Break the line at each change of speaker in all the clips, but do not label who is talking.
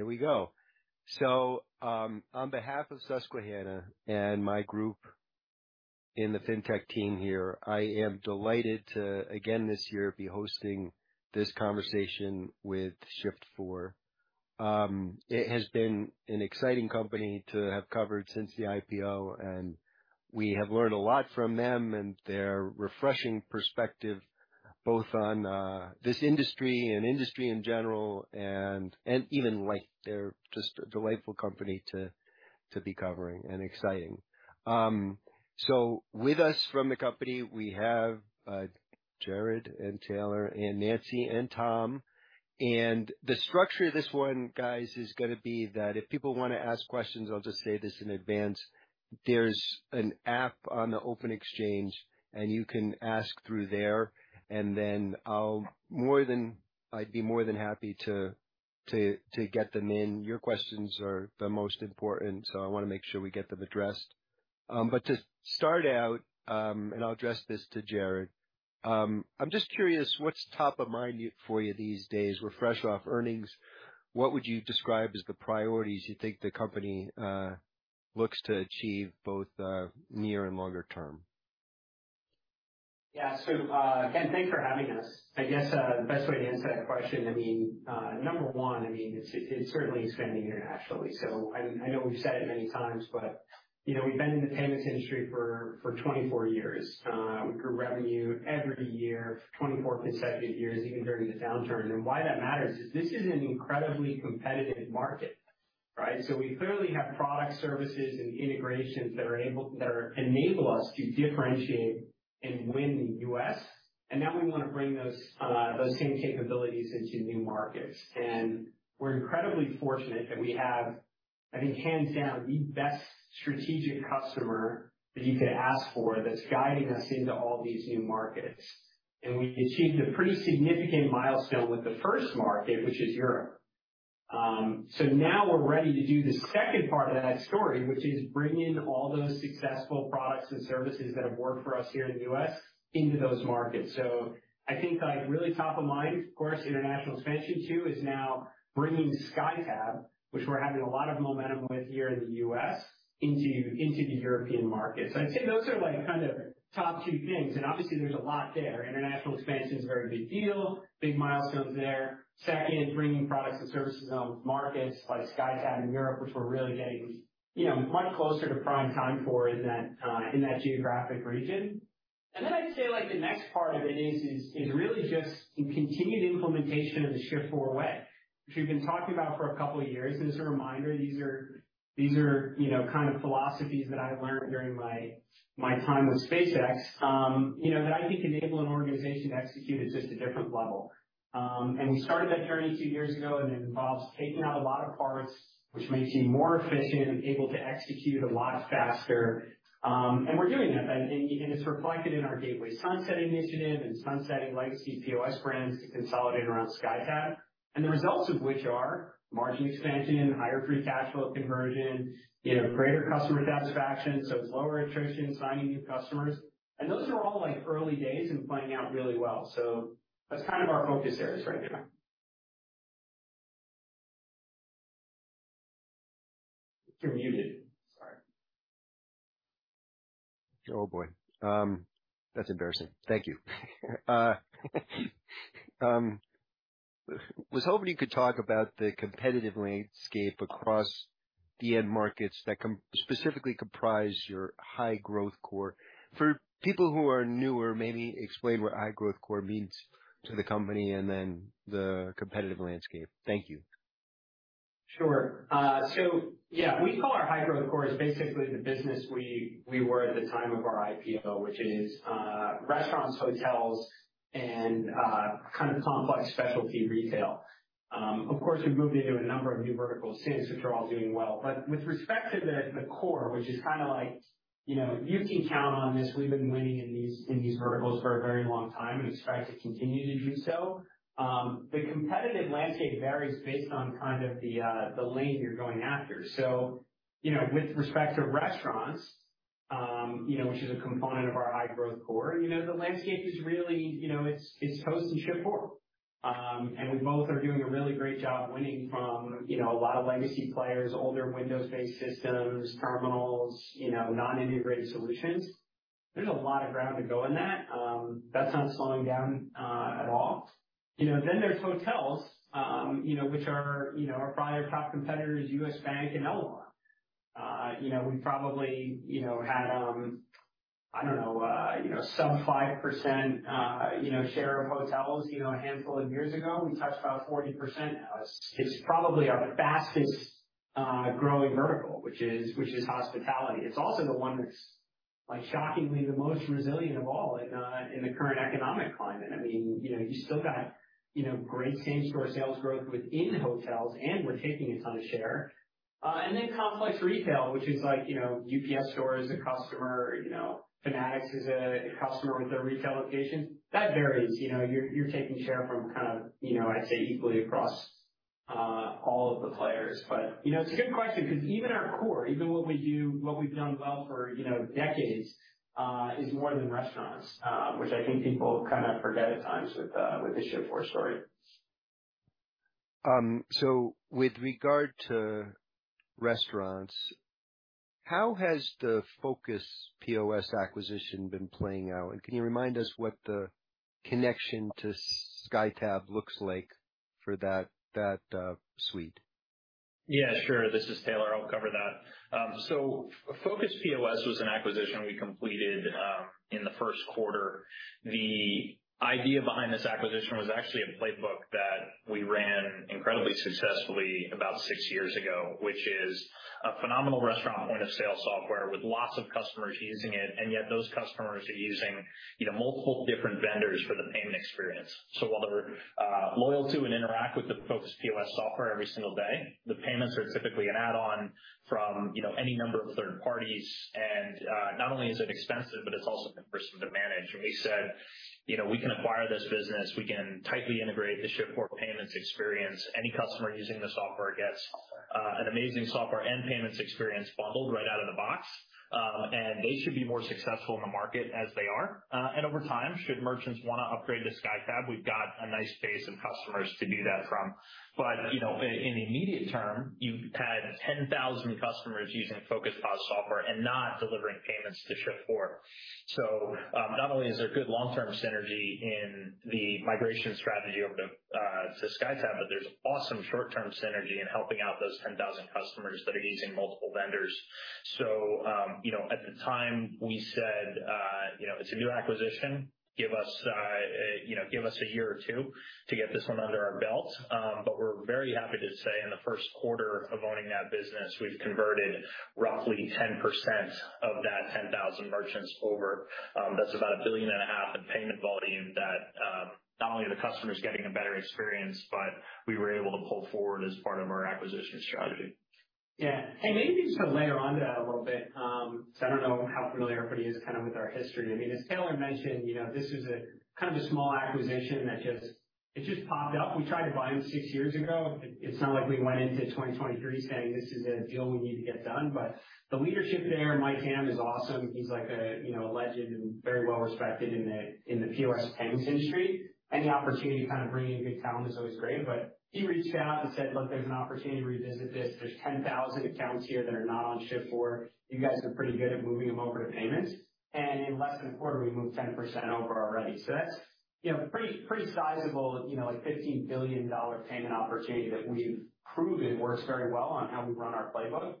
Here we go. On behalf of Susquehanna and my group in the FinTech team here, I am delighted to, again, this year, be hosting this conversation with Shift4. It has been an exciting company to have covered since the IPO, and we have learned a lot from them and their refreshing perspective, both on this industry and industry in general, and even, like, they're just a delightful company to be covering and exciting. With us from the company, we have Jared and Taylor and Nancy and Tom, the structure of this one, guys, is gonna be that if people wanna ask questions, I'll just say this in advance, there's an app on the OpenExchange, you can ask through there, I'd be more than happy to get them in. Your questions are the most important, so I wanna make sure we get them addressed. To start out, I'll address this to Jared. I'm just curious, what's top of mind for you these days? We're fresh off earnings. What would you describe as the priorities you think the company looks to achieve both near and longer term?
Yeah. Again, thanks for having us. I guess, the best way to answer that question, number one, it's, it's certainly expanding internationally. I, I know we've said it many times, but, you know, we've been in the payments industry for, for 24 years. We grew revenue every year, 24 consecutive years, even during the downturn. Why that matters is this is an incredibly competitive market, right? We clearly have products, services and integrations that enable us to differentiate and win in the U.S., and now we wanna bring those, those same capabilities into new markets. We're incredibly fortunate that we have, I think, hands down, the best strategic customer that you could ask for, that's guiding us into all these new markets. We achieved a pretty significant milestone with the first market, which is Europe. Now we're ready to do the second part of that story, which is bringing all those successful products and services that have worked for us here in the U.S. into those markets. I think, like, really top of mind, of course, international expansion, too, is now bringing SkyTab, which we're having a lot of momentum with here in the U.S., into, into the European markets. I'd say those are, like, kind of top two things, and obviously there's a lot there. International expansion is a very big deal, big milestones there. Second, bringing products and services to markets like SkyTab in Europe, which we're really getting, you know, much closer to prime time for in that, in that geographic region. Then I'd say, like, the next part of it is, is, is really just the continued implementation of the Shift4 way, which we've been talking about for a couple of years. As a reminder, these are, these are, you know, kind of philosophies that I learned during my, my time with SpaceX, you know, that I think enable an organization to execute at just a different level. We started that journey two years ago, and it involves taking out a lot of parts, which makes you more efficient and able to execute a lot faster. We're doing that, and, and, and it's reflected in our gateway sunset initiative and sunsetting legacy POS brands to consolidate around SkyTab, and the results of which are margin expansion, higher free cash flow conversion, you know, greater customer satisfaction, so it's lower attrition, signing new customers. Those are all, like, early days and playing out really well. That's kind of our focus areas right now. You're muted. Sorry.
Oh, boy! That's embarrassing. Thank you. I was hoping you could talk about the competitive landscape across the end markets that specifically comprise your high growth core. For people who are newer, maybe explain what high growth core means to the company and then the competitive landscape. Thank you.
Sure. Yeah, we call our high growth core is basically the business we, we were at the time of our IPO, which is restaurants, hotels, and kind of complex specialty retail. Of course, we've moved into a number of new verticals since, which are all doing well. With respect to the, the core, which is kind of like, you know, you can count on this, we've been winning in these, in these verticals for a very long time and aspire to continue to do so. The competitive landscape varies based on kind of the lane you're going after. You know, with respect to restaurants, you know, which is a component of our high growth core, you know, the landscape is really, you know, it's, it's Toast and Shift4. We both are doing a really great job winning from, you know, a lot of legacy players, older Windows-based systems, terminals, you know, non-integrated solutions. There's a lot of ground to go in that. That's not slowing down at all. You know, then there's hotels, you know, which are, you know, our prior top competitors, U.S. Bank and Elavon. You know, we probably, you know, had, I don't know, you know, sub 5%, you know, share of hotels, you know, a handful of years ago. We touched about 40%. Now, it's, it's probably our fastest growing vertical, which is, which is hospitality. It's also the one that's, like, shockingly, the most resilient of all in the current economic climate. I mean, you know, you still got, you know, great same-store sales growth within hotels, and we're taking a ton of share. Then complex retail, which is like, you know, UPS Store is a customer, you know, Fanatics is a, a customer with their retail locations. That varies, you know, you're, you're taking share from kind of, you know, I'd say equally across all of the players. You know, it's a good question because even our core, even what we do, what we've done well for, you know, decades, is more than restaurants, which I think people kind of forget at times with, with the Shift4 story....
with regard to restaurants, how has the Focus POS acquisition been playing out? Can you remind us what the connection to SkyTab looks like for that, that, suite?
Yeah, sure. This is Taylor. I'll cover that. Focus POS was an acquisition we completed in the first quarter. The idea behind this acquisition was actually a playbook that we ran incredibly successfully about six years ago, which is a phenomenal restaurant point-of-sale software with lots of customers using it, and yet those customers are using, you know, multiple different vendors for the payment experience. While they're loyal to and interact with the Focus POS software every single day, the payments are typically an add-on from, you know, any number of third parties. Not only is it expensive, but it's also cumbersome to manage. We said, you know, we can acquire this business, we can tightly integrate the Shift4 payments experience. Any customer using the software gets an amazing software and payments experience bundled right out of the box. They should be more successful in the market as they are. Over time, should merchants want to upgrade to SkyTab, we've got a nice base of customers to do that from. You know, in the immediate term, you've had 10,000 customers using Focus POS software and not delivering payments to Shift4. Not only is there good long-term synergy in the migration strategy over to SkyTab, but there's awesome short-term synergy in helping out those 10,000 customers that are using multiple vendors. You know, at the time we said, you know, "It's a new acquisition, give us, you know, give us a year or two to get this one under our belt." We're very happy to say in the first quarter of owning that business, we've converted roughly 10% of that 10,000 merchants over. That's about $1.5 billion in payment volume that, not only are the customers getting a better experience, but we were able to pull forward as part of our acquisition strategy.
Yeah. Maybe just to layer on to that a little bit, I don't know how familiar everybody is kind of with our history. I mean, as Taylor mentioned, you know, this is a kind of a small acquisition that just... It just popped up. We tried to buy them 6 years ago. It's not like we went into 2023 saying, "This is a deal we need to get done," but the leadership there, and Mike Hamm is awesome, he's like a, you know, a legend and very well respected in the POS payments industry. Any opportunity to kind of bring in good talent is always great, but he reached out and said, "Look, there's an opportunity to revisit this. There's 10,000 accounts here that are not on Shift4. You guys are pretty good at moving them over to payments." In less than a quarter, we moved 10% over already. That's, you know, pretty, pretty sizable, you know, like $15 billion payment opportunity that we've proven works very well on how we run our playbook.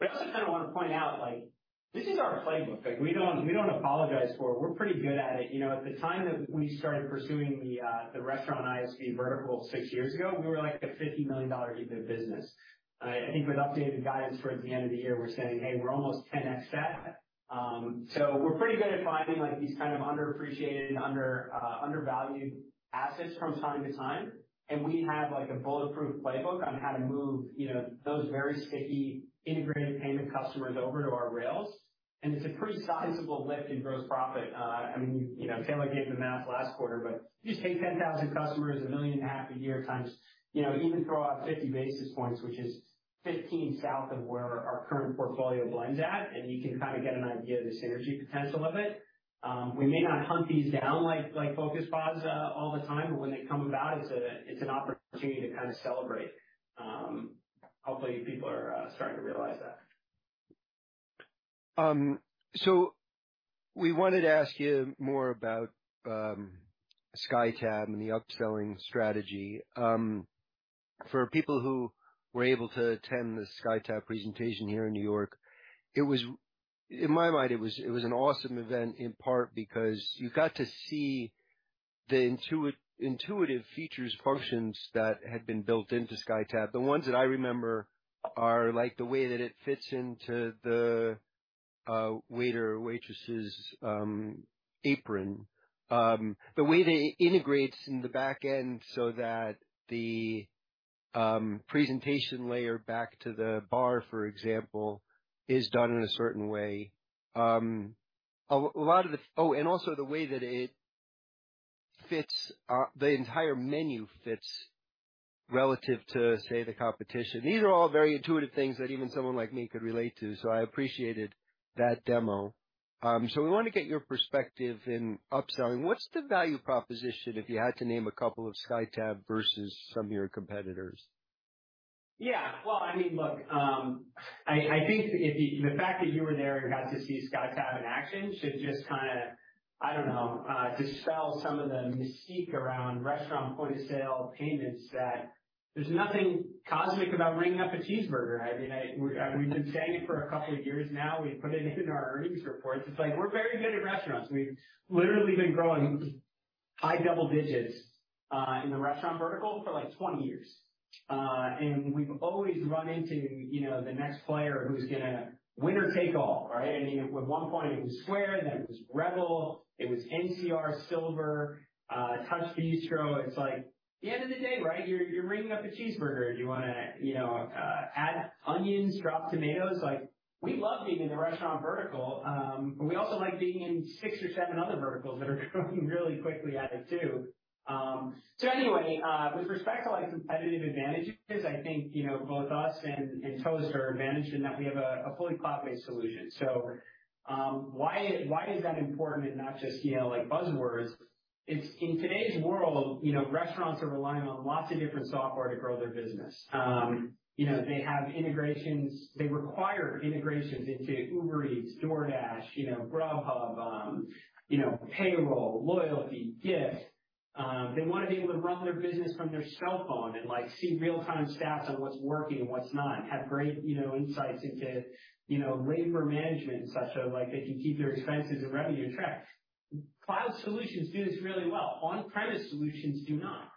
I also kind of want to point out, like, this is our playbook, like, we don't, we don't apologize for it. We're pretty good at it. You know, at the time that we started pursuing the restaurant ISV vertical six years ago, we were like a $50 million EBIT business. I think with updated guidance towards the end of the year, we're saying, "Hey, we're almost 10x that." We're pretty good at finding, like, these kind of underappreciated, under undervalued assets from time to time. We have, like, a bulletproof playbook on how to move, you know, those very sticky integrated payment customers over to our rails. It's a pretty sizable lift in gross profit. I mean, you know, Taylor gave the math last quarter, but just take 10,000 customers, $1.5 billion a year times, you know, even throw out 50 basis points, which is 15 south of where our current portfolio blends at, and you can kind of get an idea of the synergy potential of it. We may not hunt these down like, like Focus POS all the time, but when they come about, it's an opportunity to kind of celebrate. Hopefully, people are starting to realize that.
We wanted to ask you more about SkyTab and the upselling strategy. For people who were able to attend the SkyTab presentation here in New York, it was in my mind, it was, it was an awesome event, in part because you got to see the intuitive features, functions that had been built into SkyTab. The ones that I remember are like the way that it fits into the waiter or waitress's apron. The way that it integrates in the back end so that the presentation layer back to the bar, for example, is done in a certain way. A lot of the... Oh, and also the way that it fits, the entire menu fits relative to, say, the competition. These are all very intuitive things that even someone like me could relate to, so I appreciated that demo. We want to get your perspective in upselling. What's the value proposition if you had to name a couple of SkyTab versus some of your competitors?
Yeah, well, I mean, look, I think if the fact that you were there and got to see SkyTab in action should just kind of, I don't know, dispel some of the mystique around restaurant point-of-sale payments, that there's nothing cosmic about ringing up a cheeseburger. I mean, I. We've been saying it for a couple of years now. We've put it in our earnings reports. It's like we're very good at restaurants. We've literally been growing high double digits in the restaurant vertical for, like, 20 years. We've always run into, you know, the next player who's gonna winner take all, right? I mean, at one point, it was Square, then it was Revel, it was NCR Silver, TouchBistro. It's like, the end of the day, right? You're, you're ringing up a cheeseburger. You wanna, you know, add onions, drop tomatoes, like, we love being in the restaurant vertical, but we also like being in six or seven other verticals that are growing really quickly at it, too. Anyway, with respect to, like, competitive advantages, I think, you know, both us and Toast are advantaged in that we have a, a fully cloud-based solution. Why, why is that important and not just, you know, like, buzzwords? In today's world, you know, restaurants are relying on lots of different software to grow their business. You know, they have integrations, they require integrations into Uber Eats, DoorDash, you know, Grubhub, you know, payroll, loyalty, gift. They wanna be able to run their business from their cell phone and, like, see real-time stats on what's working and what's not, and have great, you know, insights into, you know, labor management, such as, like, they can keep their expenses and revenue in track. Cloud solutions do this really well. On-premise solutions do not.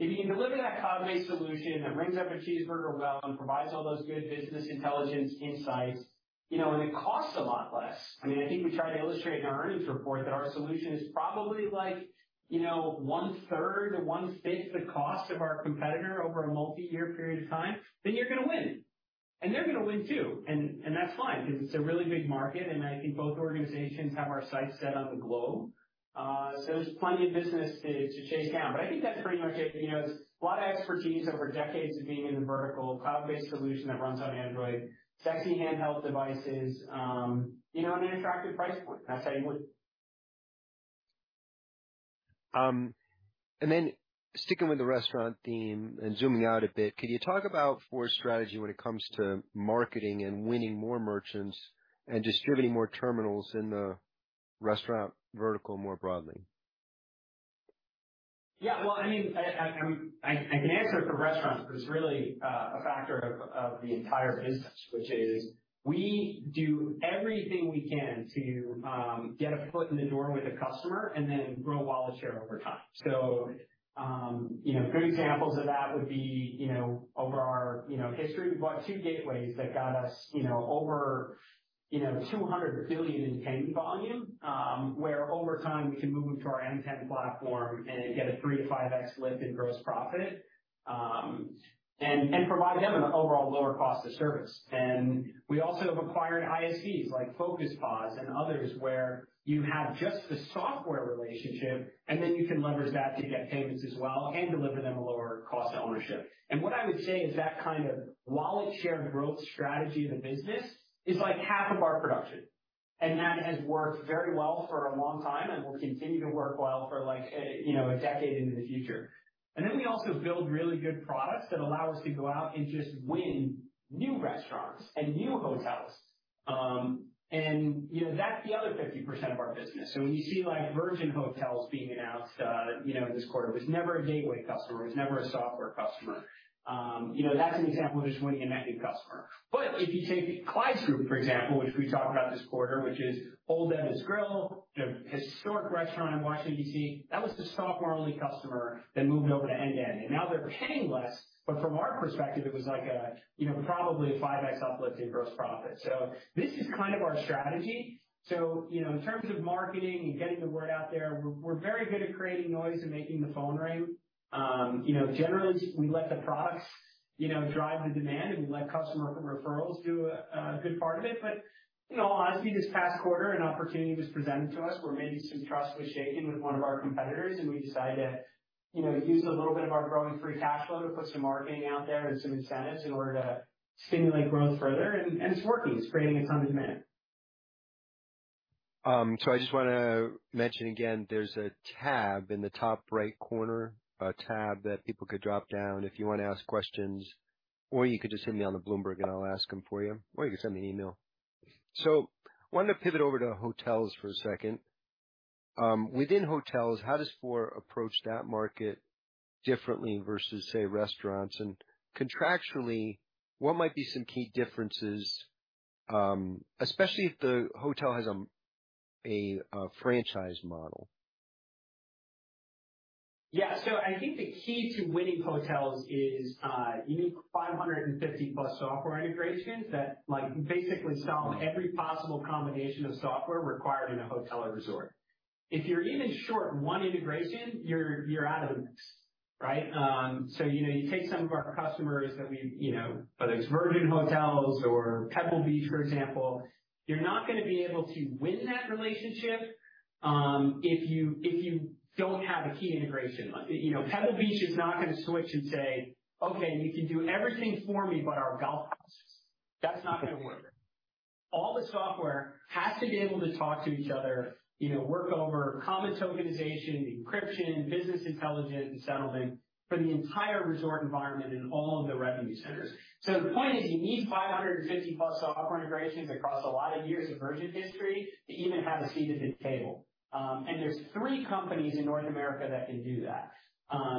If you can deliver that cloud-based solution that rings up a cheeseburger well and provides all those good business intelligence insights, you know, and it costs a lot less. I mean, I think we tried to illustrate in our earnings report that our solution is probably like, you know, 1/3-1/6 the cost of our competitor over a multi-year period of time, you're gonna win, and they're gonna win, too. That's fine because it's a really big market, and I think both organizations have our sights set on the globe. There's plenty of business to, to chase down. I think that's pretty much it. You know, a lot of expertise over decades of being in the vertical, cloud-based solution that runs on Android, sexy handheld devices, you know, and an attractive price point. That's how you win.
Then sticking with the restaurant theme and zooming out a bit, could you talk about Four's strategy when it comes to marketing and winning more merchants and distributing more terminals in the restaurant vertical more broadly?
Well, I mean, I, I, I can answer it for restaurants, but it's really a factor of, of the entire business, which is, we do everything we can to get a foot in the door with a customer and then grow wallet share over time. You know, good examples of that would be, you know, over our, you know, history, we've bought two gateways that got us, you know, over, you know, $200 billion in payment volume, where over time, we can move them to our M10 platform and get a 3x-5x lift in gross profit, and, and provide them an overall lower cost of service. We also have acquired ISVs like Focus POS and others, where you have just the software relationship, and then you can leverage that to get payments as well and deliver them a lower cost of ownership. What I would say is that kind of wallet share growth strategy in the business is like half of our production, and that has worked very well for a long time and will continue to work well for like, a, you know, a decade into the future. Then we also build really good products that allow us to go out and just win new restaurants and new hotels. You know, that's the other 50% of our business. When you see, like, Virgin Hotels being announced, you know, this quarter, it was never a gateway customer. It was never a software customer. You know, that's an example of just winning a net new customer. If you take Clyde's Group, for example, which we talked about this quarter, which is Old Ebbitt Grill, the historic restaurant in Washington, D.C., that was the software-only customer that moved over to end-to-end, and now they're paying less. From our perspective, it was like a, you know, probably a 5x uplift in gross profit. This is kind of our strategy. You know, in terms of marketing and getting the word out there, we're, we're very good at creating noise and making the phone ring. You know, generally, we let the products, you know, drive the demand, and we let customer referrals do a, a good part of it. You know, honestly, this past quarter, an opportunity was presented to us where maybe some trust was shaken with one of our competitors and we decided to, you know, use a little bit of our growing free cash flow to put some marketing out there and some incentives in order to stimulate growth further. It's working. It's creating a ton of demand.
I just wanna mention again, there's a tab in the top right corner, a tab that people could drop down if you wanna ask questions, or you could just hit me on the Bloomberg, and I'll ask them for you, or you can send me an email. I wanted to pivot over to hotels for a second. Within hotels, how does Four approach that market differently versus, say, restaurants? Contractually, what might be some key differences, especially if the hotel has a franchise model?
Yeah. I think the key to winning hotels is, you need 550-plus software integrations that like, basically sell every possible combination of software required in a hotel or resort. If you're even short one integration, you're, you're out of the mix, right? You know, you take some of our customers that we, you know, whether it's Virgin Hotels or Pebble Beach, for example, you're not gonna be able to win that relationship, if you, if you don't have a key integration. You know, Pebble Beach is not gonna switch and say: Okay, you can do everything for me but our golf courses. That's not gonna work. All the software has to be able to talk to each other, you know, work over common tokenization, encryption, business intelligence, and settlement for the entire resort environment in all of the revenue centers. The point is, you need 550-plus software integrations across a lot of years of merchant history to even have a seat at the table. There's three companies in North America that can do that.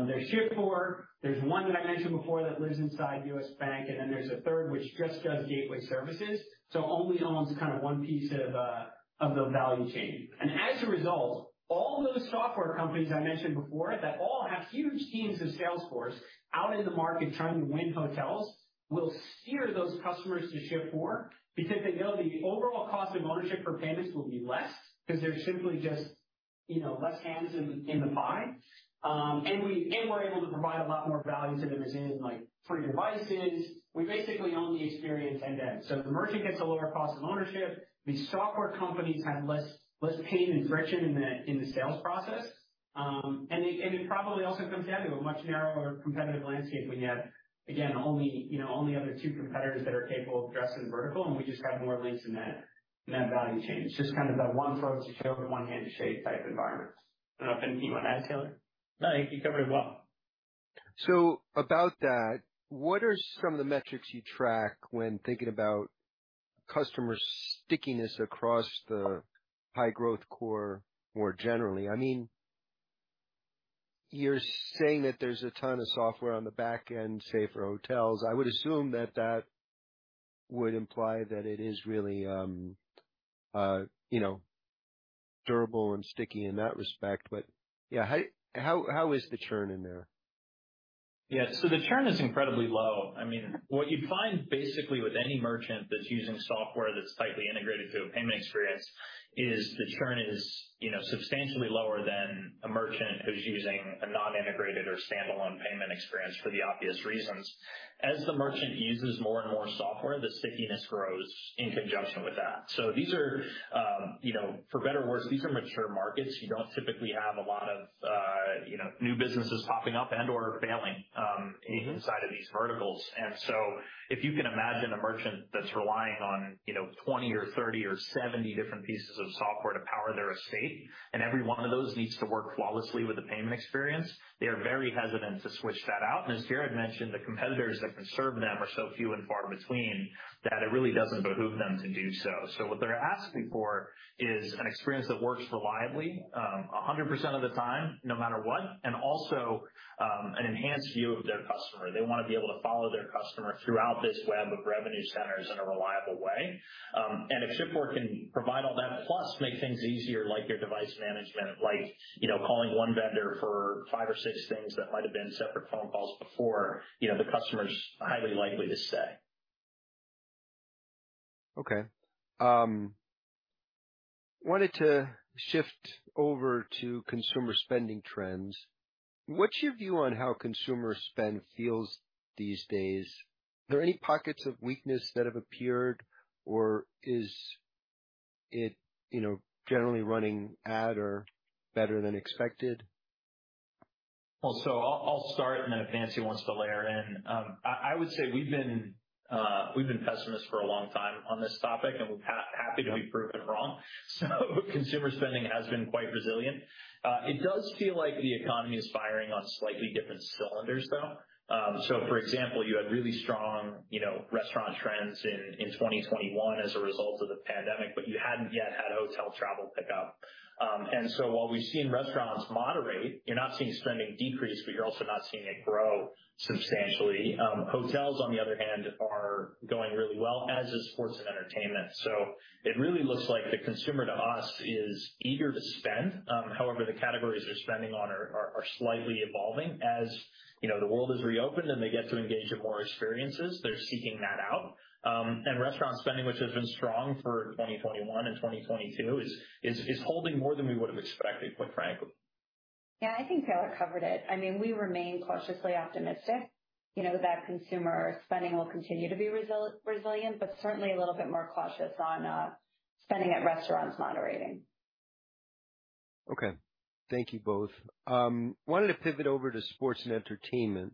There's Shift4, there's one that I mentioned before that lives inside U.S. Bank, and then there's a third, which just does gateway services. Only owns kind of one piece of the value chain. As a result, all those software companies I mentioned before, that all have huge teams of salesforce out in the market trying to win hotels, will steer those customers to Shift4, because they know the overall cost of ownership for payments will be less, 'cause they're simply just, you know, less hands in, in the pie. We're able to provide a lot more value to the resident, like free devices. We basically own the experience end-to-end. The merchant gets a lower cost of ownership, the software companies have less, less pain and friction in the, in the sales process.... and it, and it probably also comes down to a much narrower competitive landscape. We have, again, only, you know, only other two competitors that are capable of addressing vertical, and we just have more links in that, in that value chain. It's just kind of that one throat to choke, one hand to shape type environment. I don't know if anything you want to add, Taylor?
No, I think you covered it well.
About that, what are some of the metrics you track when thinking about customer stickiness across the high-growth core more generally? I mean, you're saying that there's a ton of software on the back end, say, for hotels. I would assume that that would imply that it is really, you know, durable and sticky in that respect. Yeah, how, how, how is the churn in there?
Yeah, the churn is incredibly low. I mean, what you find basically with any merchant that's using software that's tightly integrated through a payment experience, is the churn is, you know, substantially lower than a merchant who's using a non-integrated or standalone payment experience for the obvious reasons. As the merchant uses more and more software, the stickiness grows in conjunction with that. These are, you know, for better or worse, these are mature markets. You don't typically have a lot of, you know, new businesses popping up and/or failing, inside of these verticals. If you can imagine a merchant that's relying on, you know, 20 or 30 or 70 different pieces of software to power their estate, and every one of those needs to work flawlessly with the payment experience, they are very hesitant to switch that out. As Jared mentioned, the competitors that can serve them are so few and far between, that it really doesn't behoove them to do so. What they're asking for is an experience that works reliably, 100% of the time, no matter what, and also, an enhanced view of their customer. They want to be able to follow their customer throughout this web of revenue centers in a reliable way. If Shift4 can provide all that, plus make things easier, like their device management, like, you know, calling 1 vendor for 5 or 6 things that might have been separate phone calls before, you know, the customer's highly likely to stay.
Okay. wanted to shift over to consumer spending trends. What's your view on how consumer spend feels these days? Are there any pockets of weakness that have appeared, or is it, you know, generally running at or better than expected?
Well, I'll, I'll start, and then if Nancy wants to layer in. I, I would say we've been, we've been pessimists for a long time on this topic, and we're ha- happy to be proven wrong. Consumer spending has been quite resilient. It does feel like the economy is firing on slightly different cylinders, though. For example, you had really strong, you know, restaurant trends in 2021 as a result of the pandemic, but you hadn't yet had hotel travel pick up. While we've seen restaurants moderate, you're not seeing spending decrease, but you're also not seeing it grow substantially. Hotels, on the other hand, are going really well, as is sports and entertainment. It really looks like the consumer to us is eager to spend. However, the categories they're spending on are, are, are slightly evolving. As you know, the world has reopened, and they get to engage in more experiences, they're seeking that out. Restaurant spending, which has been strong for 2021 and 2022, is, is, is holding more than we would've expected, quite frankly.
Yeah, I think Taylor covered it. I mean, we remain cautiously optimistic, you know, that consumer spending will continue to be resi- resilient, but certainly a little bit more cautious on spending at restaurants moderating.
Okay. Thank you both. Wanted to pivot over to sports and entertainment.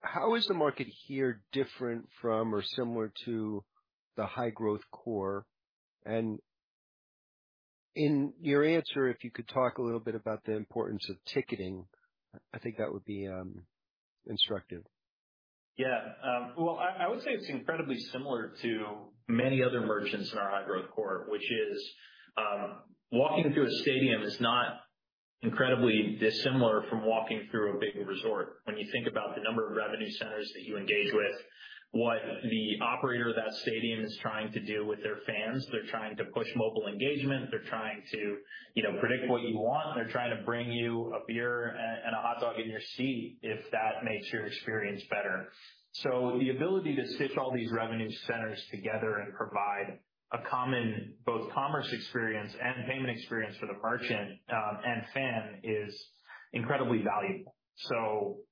How is the market here different from or similar to the high-growth core? In your answer, if you could talk a little bit about the importance of ticketing, I think that would be instructive.
Yeah, well, I, I would say it's incredibly similar to many other merchants in our high-growth core, which is, walking through a stadium is not incredibly dissimilar from walking through a big resort. When you think about the number of revenue centers that you engage with, what the operator of that stadium is trying to do with their fans, they're trying to push mobile engagement, they're trying to, you know, predict what you want. They're trying to bring you a beer and a hot dog in your seat if that makes your experience better. The ability to stitch all these revenue centers together and provide a common, both commerce experience and payment experience for the merchant, and fan is incredibly valuable.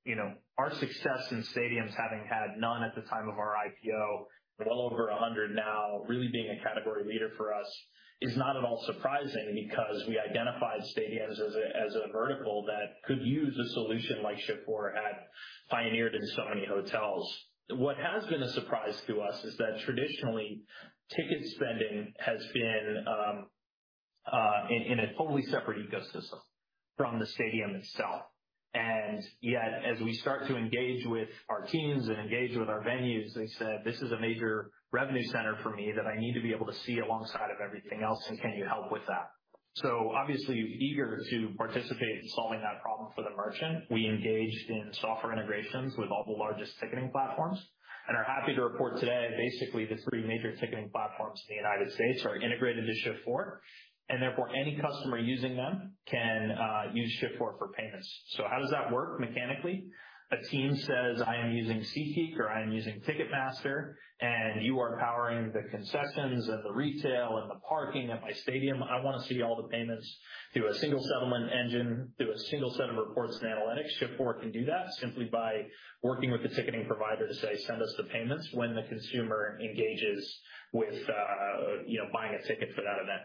You know, our success in stadiums, having had none at the time of our IPO, well over 100 now, really being a category leader for us, is not at all surprising because we identified stadiums as a, as a vertical that could use a solution like Shift4 had pioneered in so many hotels. What has been a surprise to us is that traditionally, ticket spending has been in a totally separate ecosystem from the stadium itself. Yet, as we start to engage with our teams and engage with our venues, they said, "This is a major revenue center for me that I need to be able to see alongside of everything else, and can you help with that?" Obviously, eager to participate in solving that problem for the merchant, we engaged in software integrations with all the largest ticketing platforms and are happy to report today, basically, the three major ticketing platforms in the United States are integrated to Shift4, and therefore any customer using them can use Shift4 for payments. How does that work mechanically? A team says, "I am using SeatGeek," or, "I am using Ticketmaster, and you are powering the concessions and the retail and the parking at my stadium. I want to see all the payments through a single settlement engine, through a single set of reports and analytics." Shift4 can do that simply by working with the ticketing provider to say, "Send us the payments when the consumer engages with, you know, buying a ticket for that event.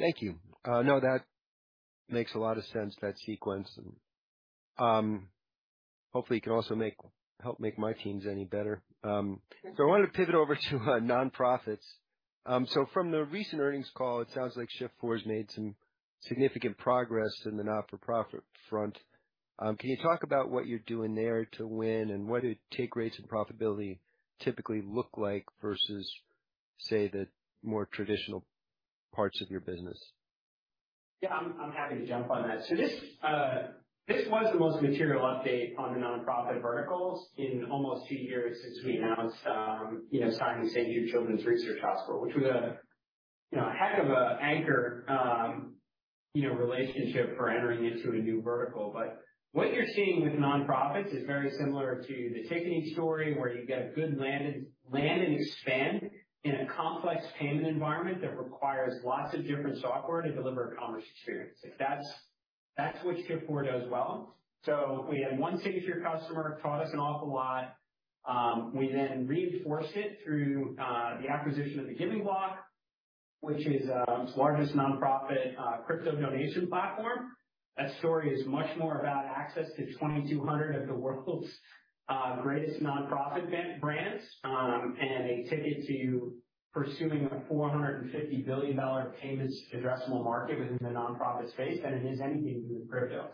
Thank you. No, that makes a lot of sense, that sequence. Hopefully, you can also make-- help make my teams any better. I wanted to pivot over to nonprofits. From the recent earnings call, it sounds like Shift4 has made some significant progress in the not-for-profit front. Can you talk about what you're doing there to win, and what do take rates and profitability typically look like versus, say, the more traditional parts of your business?
Yeah, I'm, I'm happy to jump on that. This was the most material update on the nonprofit verticals in almost two years since we announced, you know, signing St. Jude Children's Research Hospital, which was a, you know, a heck of a anchor, you know, relationship for entering into a new vertical. What you're seeing with nonprofits is very similar to the ticketing story, where you get a good land and expand in a complex payment environment that requires lots of different software to deliver a commerce experience. Like, that's, that's what Shift4 does well. We had one signature customer, taught us an awful lot. We then reinforced it through the acquisition of The Giving Block, which is the largest nonprofit crypto donation platform. That story is much more about access to 2,200 of the world's greatest nonprofit brands, and a ticket to pursuing a $450 billion payments addressable market within the nonprofit space, than it is anything to do with crypto.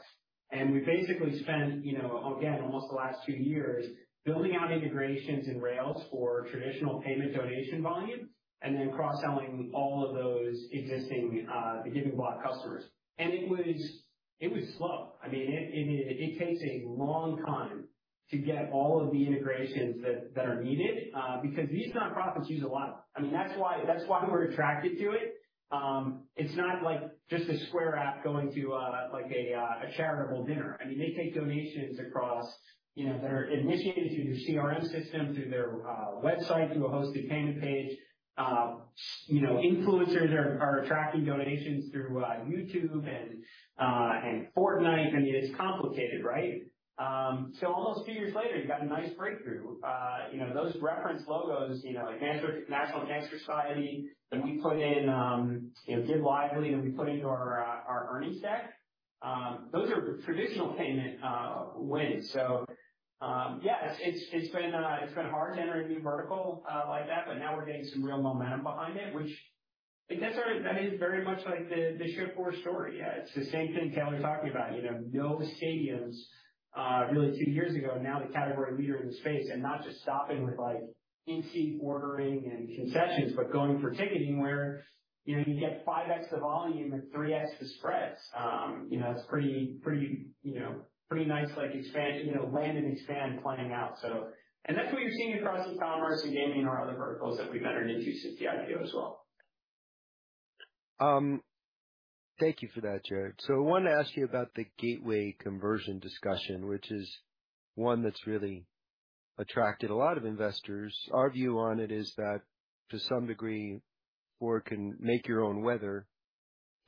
We basically spent, you know, again, almost the last 2 years building out integrations and rails for traditional payment donation volume, and then cross-selling all of those existing, The Giving Block customers. It was, it was slow. I mean, it, it, it takes a long time to get all of the integrations that, that are needed because these nonprofits use a lot. I mean, that's why, that's why we're attracted to it. It's not like just a Square app going to, like, a charitable dinner. I mean, they take donations across, you know, that are initiated through their CRM system, through their website, through a hosted payment page. You know, influencers are, are attracting donations through YouTube and Fortnite. I mean, it's complicated, right? Almost two years later, you've got a nice breakthrough. You know, those reference logos, you know, like, American Cancer Society, that we put in, you know, Give Lively, that we put into our earnings deck, those are traditional payment wins. Yeah, it's, it's been hard to enter a new vertical like that, but now we're getting some real momentum behind it, which I guess that is very much like the Shift4 story. Yeah, it's the same thing Taylor talked about. You know, no stadiums, really two years ago, now the category leader in the space, and not just stopping with, like, in-seat ordering and concessions, but going for ticketing where, you know, you get 5x the volume and 3x the spreads. You know, it's pretty, pretty, you know, pretty nice, like, expansion, you know, land and expand playing out. That's what you're seeing across E-commerce and gaming, our other verticals that we've entered into since the IPO as well.
Thank you for that, Jared. I wanted to ask you about the gateway conversion discussion, which is one that's really attracted a lot of investors. Our view on it is that, to some degree, Four can make your own weather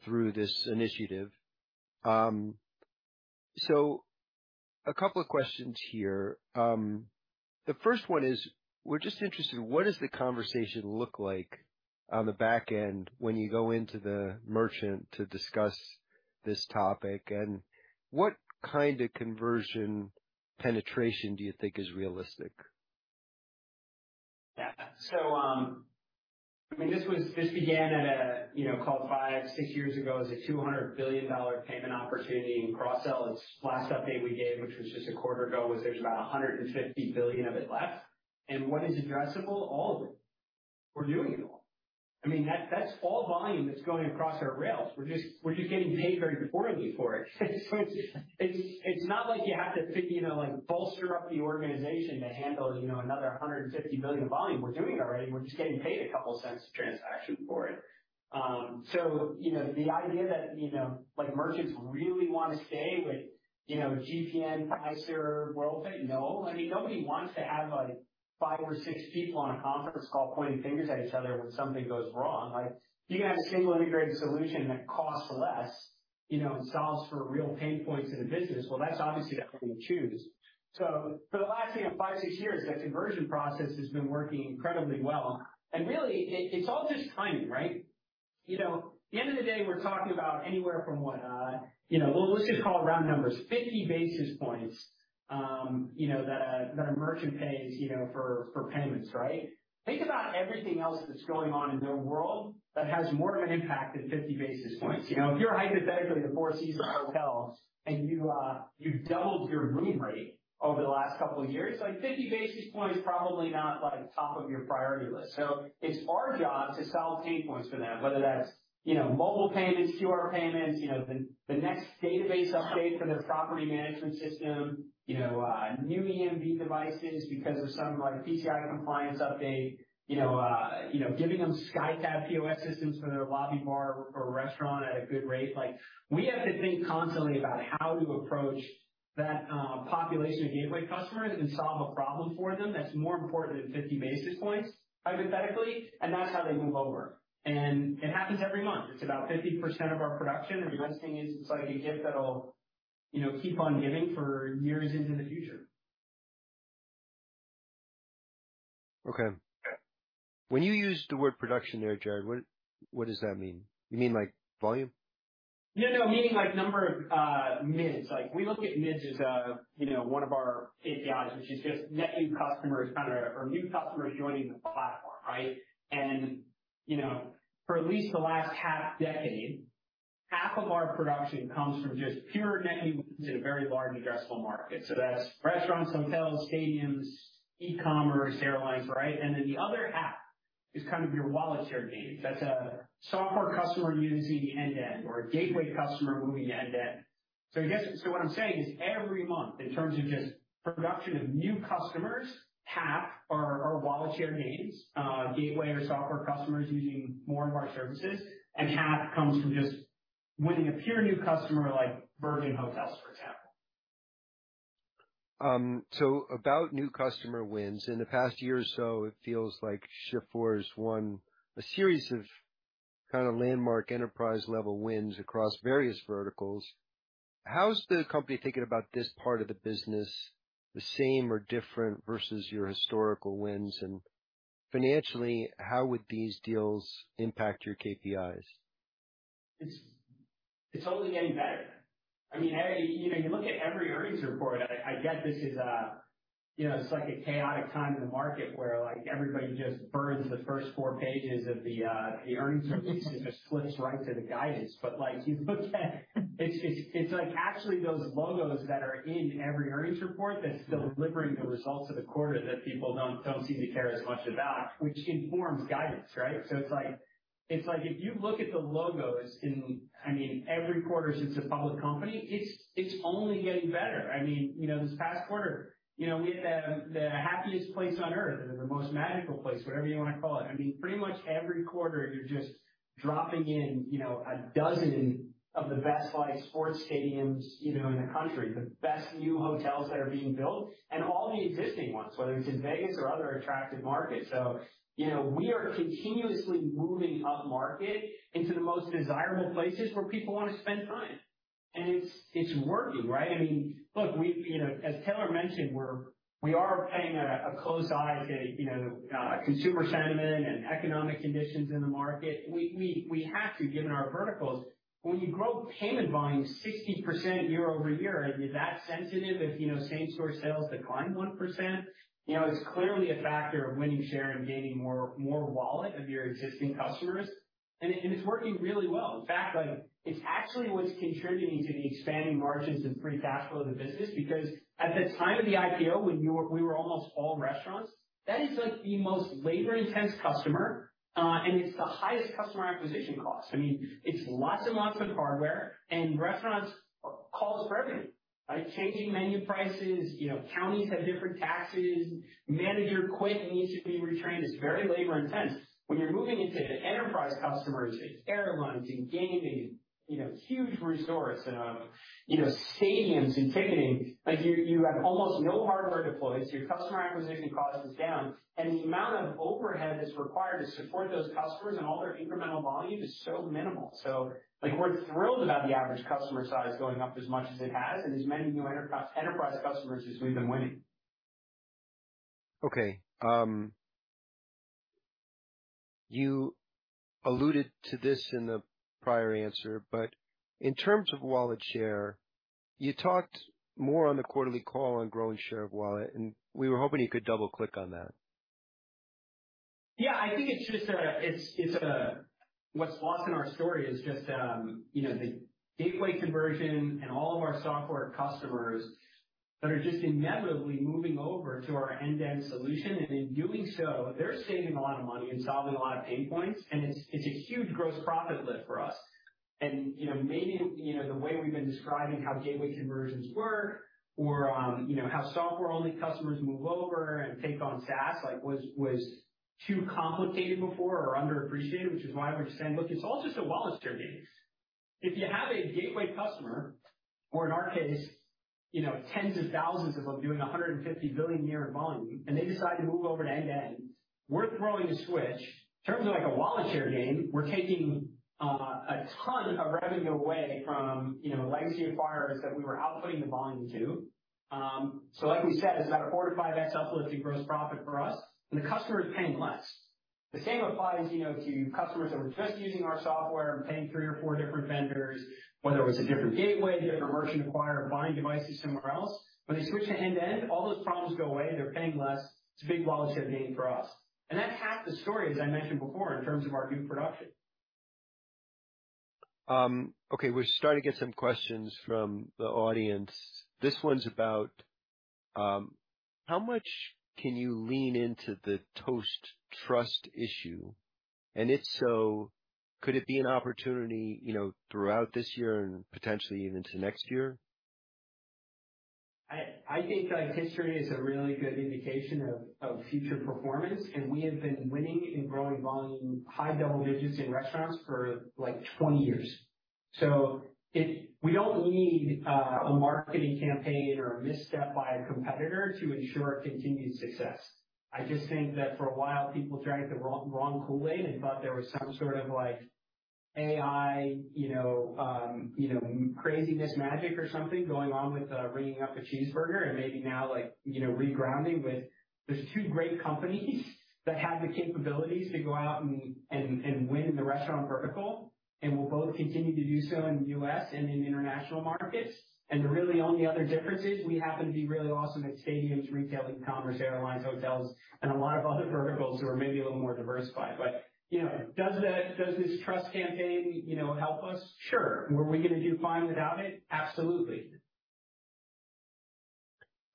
through this initiative. A couple of questions here. The first one is: we're just interested, what does the conversation look like on the back end when you go into the merchant to discuss this topic? What kind of conversion penetration do you think is realistic?
Yeah. So, I mean, this began at a, you know, called five, six years ago, as a $200 billion payment opportunity in cross-sell. Last update we gave, which was just a quarter ago, was there's about $150 billion of it left. What is addressable? All of it. We're doing it all. I mean, that, that's all volume that's going across our rails. We're just, we're just getting paid very poorly for it. It's, it's not like you have to, you know, like, bolster up the organization to handle, you know, another $150 billion volume. We're doing it already, we're just getting paid a couple cents a transaction for it. You know, the idea that, you know, like, merchants really want to stay with, you know, GPN, Fiserv, Worldpay, no. I mean, nobody wants to have, like, 5 or 6 people on a conference call pointing fingers at each other when something goes wrong. Like, you can have a single integrated solution that costs less, you know, and solves for real pain points in a business, well, that's obviously that's what you choose. For the last, you know, five, six years, that conversion process has been working incredibly well. Really, it, it's all just timing, right? You know, at the end of the day, we're talking about anywhere from what, you know, well, let's just call it round numbers, 50 basis points, you know, that a, that a merchant pays, you know, for, for payments, right? Think about everything else that's going on in their world that has more of an impact than 50 basis points. You know, if you're hypothetically the Four Seasons Hotels, and you've doubled your room rate over the last couple of years, like, 50 basis points is probably not, like, top of your priority list. It's our job to solve pain points for them, whether that's, you know, mobile payments, QR payments, you know, the next database update for their property management system. You know, new EMV devices because of some, like, PCI compliance update. You know, you know, giving them SkyTab POS systems for their lobby bar or restaurant at a good rate. Like, we have to think constantly about how to approach that population of gateway customers and solve a problem for them that's more important than 50 basis points, hypothetically, and that's how they move over. It happens every month. It's about 50% of our production, and the rest is just like a gift that'll, you know, keep on giving for years into the future.
Okay. When you use the word production there, Jared, what, what does that mean? You mean like volume?
Yeah, no, meaning like number of MIDS. Like, we look at MIDS as, you know, one of our KPIs, which is just net new customers, kind of, or new customers joining the platform, right? You know, for at least the last half decade, half of our production comes from just pure net new in a very large addressable market. That's restaurants, hotels, stadiums, E-commerce, airlines, right? Then the other half is kind of your wallet share gain. That's a software customer using end-to-end or a gateway customer moving to end-to-end. I guess, so what I'm saying is every month, in terms of just production of new customers, half are, are wallet share gains, gateway or software customers using more and more of our services, and half comes from just winning a pure new customer, like Virgin Hotels, for example.
About new customer wins. In the past year or so, it feels like Shift4 has won a series of kind of landmark enterprise-level wins across various verticals. How's the company thinking about this part of the business the same or different versus your historical wins? Financially, how would these deals impact your KPIs?
It's, it's only getting better. I mean, you know, you look at every earnings report, I, I get this is a, you know, it's like a chaotic time in the market where, like, everybody just burns the first 4 pages of the earnings release and just flips right to the guidance. Like, you look at it's, it's, it's like, actually those logos that are in every earnings report that's delivering the results of the quarter that people don't, don't seem to care as much about, which informs guidance, right? It's like, it's like if you look at the logos in, I mean, every quarter since a public company, it's, it's only getting better. I mean, you know, this past quarter, you know, we had the, the happiest place on earth or the most magical place, whatever you want to call it. I mean, pretty much every quarter, you're just dropping in, you know, 12 of the best live sports stadiums, you know, in the country, the best new hotels that are being built and all the existing ones, whether it's in Vegas or other attractive markets. You know, we are continuously moving upmarket into the most desirable places where people want to spend time. It's, it's working, right? I mean, look, we, you know, as Taylor mentioned, we are playing a, a close eye to, you know, consumer sentiment and economic conditions in the market. We have to, given our verticals. When you grow payment volume 60% year-over-year, are you that sensitive if, you know, same store sales decline 1%? You know, it's clearly a factor of winning share and gaining more, more wallet of your existing customers. It, and it's working really well. In fact, like, it's actually what's contributing to the expanding margins and free cash flow of the business, because at the time of the IPO, when we were, we were almost all restaurants, that is, like, the most labor-intensive customer, and it's the highest customer acquisition cost. I mean, it's lots and lots of hardware and restaurants call us for everything, like, changing menu prices, you know, counties have different taxes, manager quit and needs to be retrained. It's very labor intense. When you're moving into enterprise customers, like airlines and gaming, you know, huge resorts and, you know, stadiums and ticketing, like you, you have almost no hardware deployed, so your customer acquisition cost is down, and the amount of overhead that's required to support those customers and all their incremental volume is so minimal. Like, we're thrilled about the average customer size going up as much as it has and as many new enterprise, enterprise customers as we've been winning.
Okay, you alluded to this in the prior answer, but in terms of wallet share, you talked more on the quarterly call on growing share of wallet, and we were hoping you could double click on that.
Yeah, I think it's just a, it's, it's a. What's lost in our story is just, you know, the gateway conversion and all of our software customers that are just inevitably moving over to our end-to-end solution, and in doing so, they're saving a lot of money and solving a lot of pain points, and it's, it's a huge gross profit lift for us. You know, maybe, you know, the way we've been describing how gateway conversions work or, you know, how software-only customers move over and take on SaaS like was, was too complicated before or underappreciated, which is why we're just saying: Look, it's all just a wallet share gain. If you have a gateway customer, or in our case, you know, tens of thousands of them doing $150 billion a year in volume, they decide to move over to end-to-end, we're throwing a switch. In terms of like a wallet share gain, we're taking a ton of revenue away from, you know, legacy acquirers that we were outputting the volume to. Like we said, it's about a 4x-5x uplift in gross profit for us, the customer is paying less. The same applies, you know, to customers that were just using our software and paying 3 or 4 different vendors, whether it was a different gateway, a different merchant acquirer, or buying devices somewhere else. When they switch to end-to-end, all those problems go away and they're paying less. It's a big wallet share gain for us. That's half the story, as I mentioned before, in terms of our new production.
Okay, we're starting to get some questions from the audience. This one's about how much can you lean into the Toast trust issue? If so, could it be an opportunity, you know, throughout this year and potentially even to next year?
I, I think, like, history is a really good indication of, of future performance, and we have been winning and growing volume high double digits in restaurants for, like, 20 years. So we don't need a marketing campaign or a misstep by a competitor to ensure continued success. I just think that for a while, people drank the wrong Kool-Aid and thought there was some sort of, like AI, you know, you know, craziness magic or something going on with ringing up a cheeseburger and maybe now, like, you know, regrounding with, there's two great companies that have the capabilities to go out and, and, and win the restaurant vertical, and will both continue to do so in the U.S. and in international markets. The really only other difference is, we happen to be really awesome at stadiums, retailing, commerce, airlines, hotels, and a lot of other verticals who are maybe a little more diversified. You know, does this trust campaign, you know, help us? Sure. Were we gonna do fine without it? Absolutely.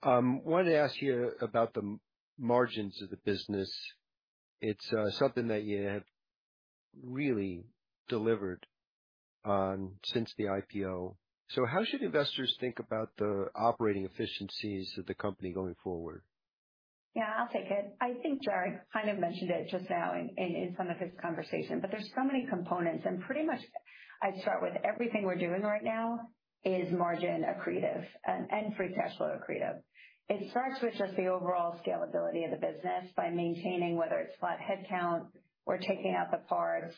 Wanted to ask you about the margins of the business. It's something that you have really delivered on since the IPO. How should investors think about the operating efficiencies of the company going forward?
Yeah, I'll take it. I think Jared kind of mentioned it just now in, in, in some of his conversation, but there's so many components. Pretty much I'd start with everything we're doing right now is margin accretive, and free cash flow accretive. It starts with just the overall scalability of the business by maintaining, whether it's flat headcount or taking out the cards.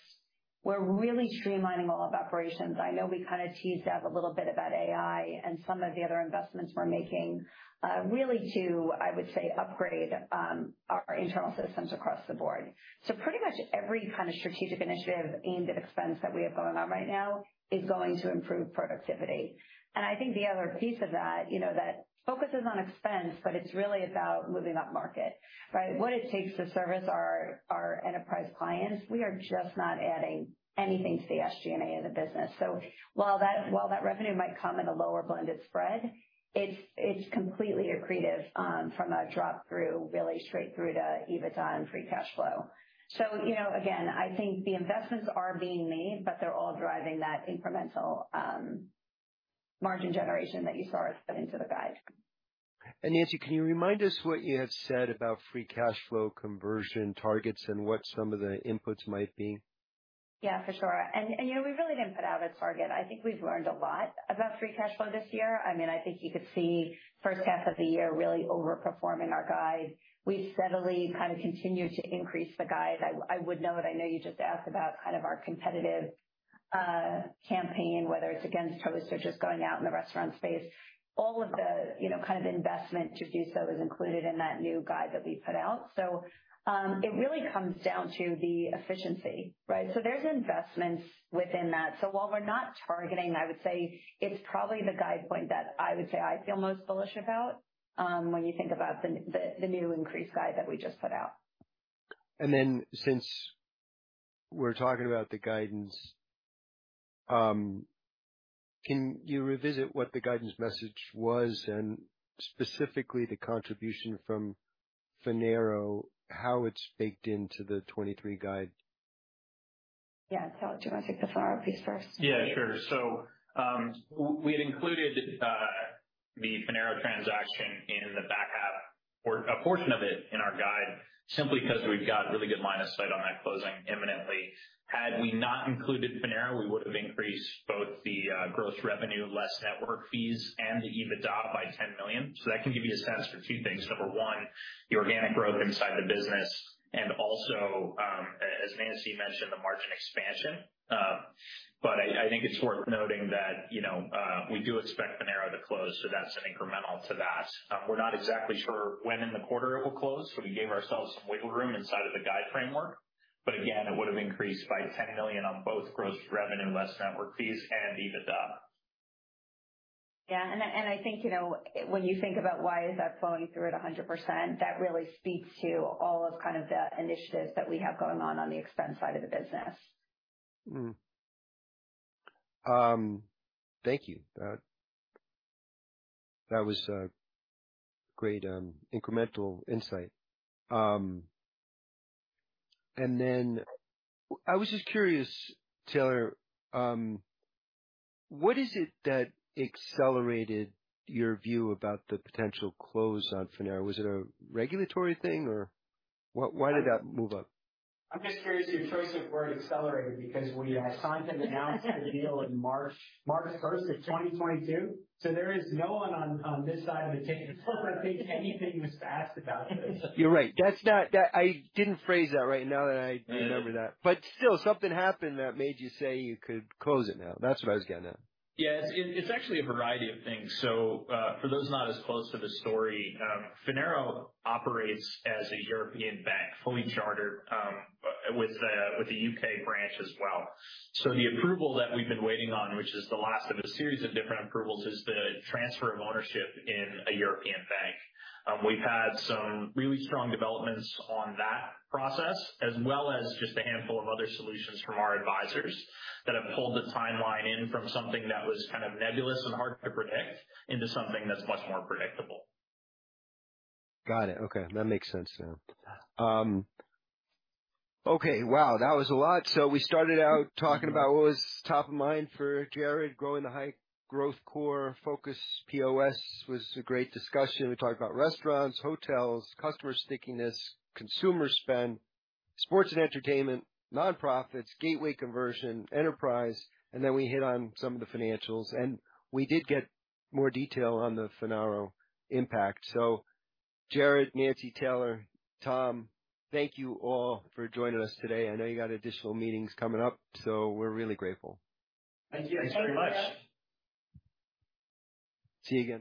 We're really streamlining all of operations. I know we kind of teased out a little bit about AI and some of the other investments we're making, really to, I would say, upgrade our internal systems across the board. Pretty much every kind of strategic initiative aimed at expense that we have going on right now is going to improve productivity. I think the other piece of that, you know, that focuses on expense, but it's really about moving upmarket, right? What it takes to service our, our enterprise clients, we are just not adding anything to the SG&A of the business. While that, while that revenue might come at a lower blended spread, it's, it's completely accretive, from a drop-through, really straight through to EBITDA and free cash flow. You know, again, I think the investments are being made, but they're all driving that incremental, margin generation that you saw us put into the guide.
Nancy, can you remind us what you had said about free cash flow conversion targets and what some of the inputs might be?
Yeah, for sure. You know, we really didn't put out a target. I mean, I think you could see first half of the year really overperforming our guide. We've steadily kind of continued to increase the guide. I, I would note, I know you just asked about kind of our competitive campaign, whether it's against Toast or just going out in the restaurant space. All of the, you know, kind of investment to do so is included in that new guide that we put out. It really comes down to the efficiency, right? There's investments within that. While we're not targeting, I would say it's probably the guide point that I would say I feel most bullish about, when you think about the, the, the new increased guide that we just put out.
Since we're talking about the guidance, can you revisit what the guidance message was and specifically the contribution from Finaro, how it's baked into the 23 guide?
Yeah. Taylor, do you want to take the Finaro piece first?
Yeah, sure. We had included the Finaro transaction in the back half, or a portion of it in our guide, simply because we've got really good line of sight on that closing imminently. Had we not included Finaro, we would have increased both the gross revenue, less network fees and the EBITDA by $10 million. That can give you a sense for two things. Number one, the organic growth inside the business, and also, as Nancy mentioned, the margin expansion. I think it's worth noting that, you know, we do expect Finaro to close, so that's incremental to that. We're not exactly sure when in the quarter it will close, we gave ourselves some wiggle room inside of the guide framework. Again, it would have increased by $10 million on both gross revenue, less network fees and EBITDA.
Yeah. I, and I think, you know, when you think about why is that flowing through at 100%, that really speaks to all of kind of the initiatives that we have going on the expense side of the business.
Thank you. That, that was a great, incremental insight. I was just curious, Taylor, what is it that accelerated your view about the potential close on Finaro? Was it a regulatory thing, or why did that move up?
I'm just curious, your choice of word accelerated, because we signed and announced the deal in March, March 1st of 2022. There is no one on, on this side of the table that I think anything was asked about this.
You're right. That's not-- That I didn't phrase that right. Now that I remember that. Still, something happened that made you say you could close it now. That's what I was getting at.
Yeah, it's, it's actually a variety of things. For those not as close to the story, Finaro operates as a European bank, fully chartered, with a, with a UK branch as well. The approval that we've been waiting on, which is the last of a series of different approvals, is the transfer of ownership in a European bank. We've had some really strong developments on that process, as well as just a handful of other solutions from our advisors that have pulled the timeline in from something that was kind of nebulous and hard to predict into something that's much more predictable.
Got it. Okay, that makes sense now. Okay. Wow, that was a lot! We started out talking about what was top of mind for Jared, growing the high growth core Focus POS was a great discussion. We talked about restaurants, hotels, customer stickiness, consumer spend, sports and entertainment, nonprofits, gateway conversion, enterprise, and then we hit on some of the financials, and we did get more detail on the Finaro impact. Jared, Nancy, Taylor, Tom, thank you all for joining us today. I know you got additional meetings coming up, so we're really grateful.
Thank you.
Thanks very much.
See you again.